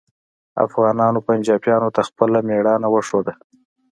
افغانانو پنجابیانو ته خپله میړانه وښوده